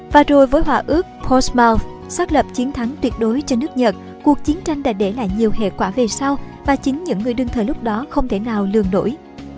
và rồi với hỏa ước portsmouth xác lập chiến thắng tuyệt đối cho nước nhật cuộc chiến tranh đã để lại nhiều hệ quả về sau và chính những người đương thời lúc đó không thể nào lường nổi